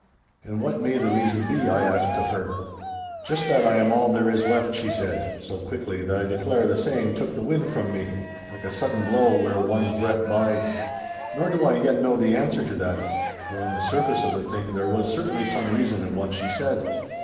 'And what may the reason be?' I asked of her. 'Just that I am all there is left,' she said, so quickly that I declare the saying took the wind from me, like a sudden blow where one's breath bides. Nor do I yet know the answer to that, for on the surface of the thing there was certainly some reason in what she said.